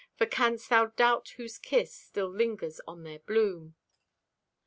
For canst thou doubt whose kiss Still lingers on their bloom?